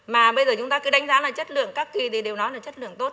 mà bây giờ chúng ta cứ đánh giá là chất lượng các kỳ thì đều nói là chất lượng tốt